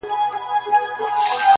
• ځوان دعا کوي.